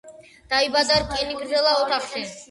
დაიბადა რკინიგზელთა ოჯახში.